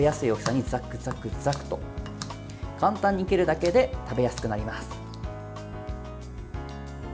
簡単に切るだけで食べやすくなります。